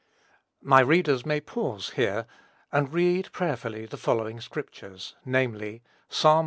My readers may pause, here, and read prayerfully the following scriptures, namely, Psalm i.